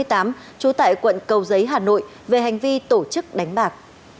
trú tại quận cầu giấy hà nội về hành vi tổ chức đánh bạc